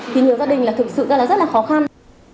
thì nhiều gia đình là thực sự ra là rất là khó khăn